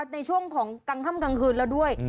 ในช่วงของกลางค่ำกลางคืนแล้วด้วย